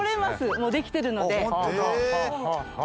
もうできてるので。